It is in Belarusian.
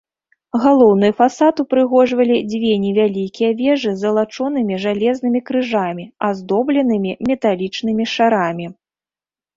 Галоўны фасад упрыгожвалі дзве невялікія вежы з залачонымі жалезнымі крыжамі, аздобленымі металічнымі шарамі.